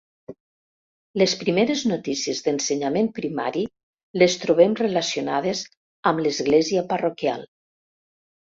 Les primeres notícies d'ensenyament primari les trobem relacionades amb l'església parroquial.